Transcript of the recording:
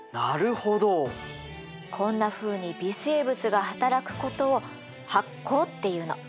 こんなふうに微生物が働くことを発酵っていうの。